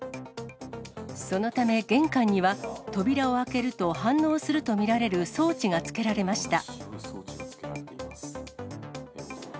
そのため、玄関には扉を開けると反応すると見られる装置がつけられました。